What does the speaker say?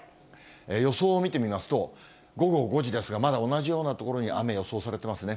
予想を見てみますと、午後５時ですが、まだ同じような所に雨、予想されてますね。